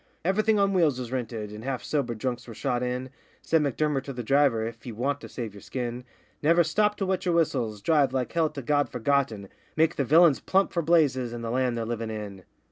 Everything on wheels was 'rinted,' and half sobered drunks were shot in; Said M'Durmer to the driver, 'If ye want to save yer skin, Never stop to wet yer whistles drive like hell to God Forgotten, Make the villains plump for Blazes, and the land they're livin' in.